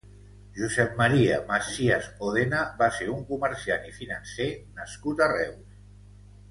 Josep Maria Mascias Òdena va ser un comerciant i financer nascut a Reus.